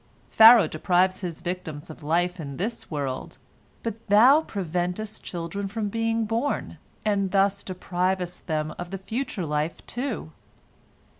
Pharaoh deprives his victims of life in this world, but thou preventest children from being born, and thus thou deprivest them of the future life, too.